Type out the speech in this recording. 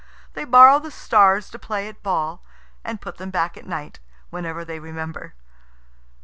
They borrow the stars to play at ball, and put them back at night whenever they remember.